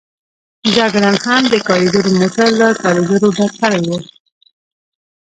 جګړن هم د کاریګرو موټر له کاریګرو ډک کړی و.